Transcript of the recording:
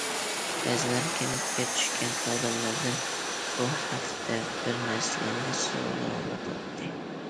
بەزىلەر كەنتكە چۈشكەن كادىرلاردىن بۇ ھەقتە بىر نەرسىلەرنى سوراۋاتاتتى.